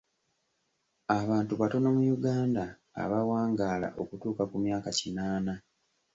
Abantu batono mu Uganda abawangaala okutuuka ku myaka kinaana.